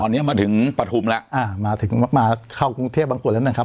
ตอนนี้มาถึงปฐุมแล้วอ่ามาถึงมาเข้ากรุงเทพบางส่วนแล้วนะครับ